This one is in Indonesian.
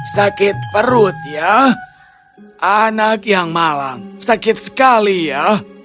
sakit perut ya anak yang malang sakit sekali ya